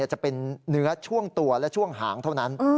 จะเป็นเนื้อช่วงตัวและช่วงหางเท่านั้น